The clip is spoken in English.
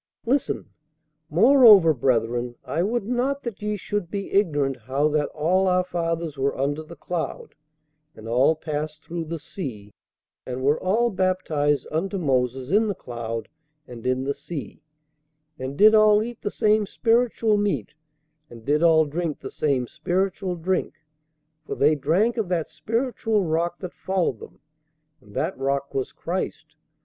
"Listen! 'Moreover, brethren, I would not that ye should be ignorant, how that all our fathers were under the cloud, and all passed through the sea; and were all baptized unto Moses in the cloud and in the sea; and did all eat the same spiritual meat; and did all drink the same spiritual drink; for they drank of that spiritual Rock that followed them; and that Rock was Christ.